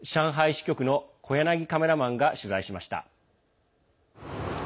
支局の小柳カメラマンが取材しました。